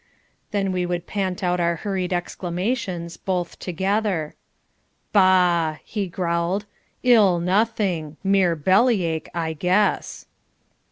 Then we would pant out our hurried exclamations, both together. "Bah!" he growled, "ill nothing! Mere belly ache, I guess."